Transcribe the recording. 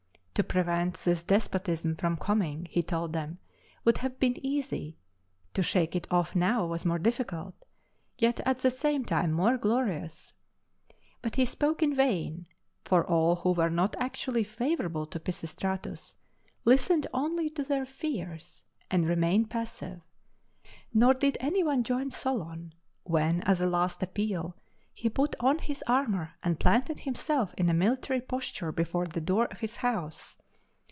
To prevent this despotism from coming (he told them) would have been easy; to shake it off now was more difficult, yet at the same time more glorious. But he spoke in vain, for all who were not actually favorable to Pisistratus listened only to their fears, and remained passive; nor did any one join Solon, when, as a last appeal, he put on his armor and planted himself in military posture before the door of his house.